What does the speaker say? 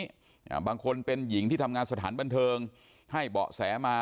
อ่าบางคนเป็นหญิงที่ทำงานสถานบันเทิงให้เบาะแสมา